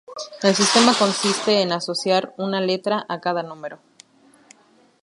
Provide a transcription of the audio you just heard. El sistema consiste en asociar una letra a cada número.